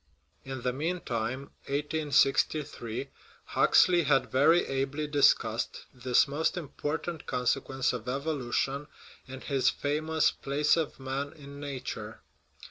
In the mean time (1863) Huxley had very ably discussed this most important consequence of evolution in his famous Place of Man in Nature.